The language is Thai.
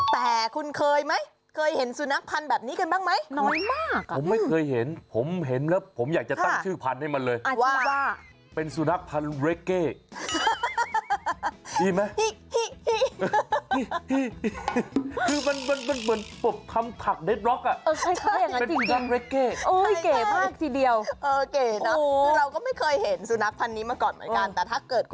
แต่คุณเคยไหมเคยเห็นสุนัขพันธ์แบบนี้กันบ้างไหม